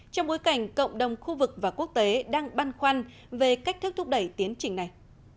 trong bối cảnh cộng đồng khu vực và quốc tế đang băn khoăn về cách thức thúc đẩy tiến trình này